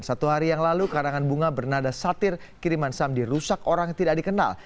satu hari yang lalu karangan bunga bernada satir kiriman sam dirusak orang tidak dikenal